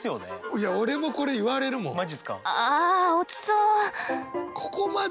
いや俺もこれ言われるもん。ああ落ちそう！